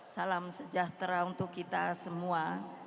salam sejahtera untuk kita semua